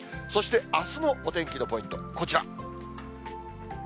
そしてあすのお天気のポイント、こちら。